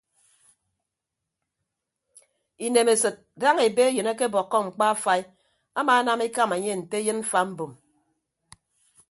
Inemesịd daña ebe eyịn akebọkkọ mkpa afai amaanam ekama enye nte eyịn mfa mbom.